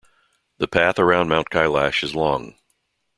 The path around Mount Kailash is long.